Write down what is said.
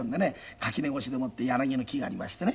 垣根越しでもって柳の木がありましてね